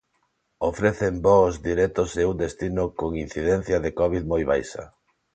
Ofrecen voos directos e un destino con incidencia de covid moi baixa.